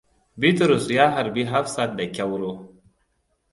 Bitrus ya harbi Hafsat da kyauro.